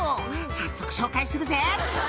早速紹介するぜ」